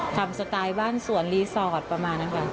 สไตล์บ้านสวนรีสอร์ทประมาณนั้นค่ะ